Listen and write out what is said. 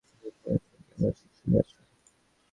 বিক্রমসিংহ কহিলেন, খড়্গসিংহ, এতদিন পরে তুমি কি আবার শিশু হইয়াছ!